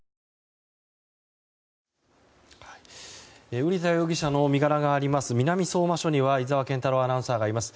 瓜田容疑者の身柄があります、南相馬署には井澤健太朗アナウンサーがいます。